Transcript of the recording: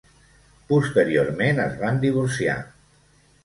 Posteriorment es van divorciar.